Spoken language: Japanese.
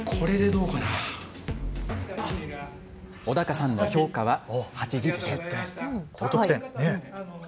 小高さんの評価は８０点。